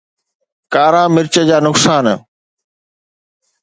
ڪارا مرچ جا نقصان